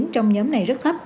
trong nhóm này rất thấp